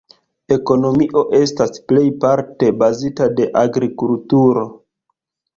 Ekonomio estas plejparte bazita de agrikulturo.